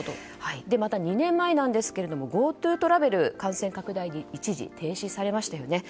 また２年前ＧｏＴｏトラベルが感染拡大で一時停止されましたよね。